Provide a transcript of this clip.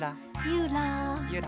ゆら。